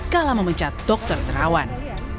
kala memecat dokter terawan